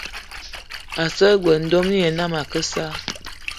A so g-beu ndomni ye na ake issa.